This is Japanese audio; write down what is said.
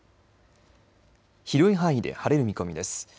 広い範囲で晴れる見込みです。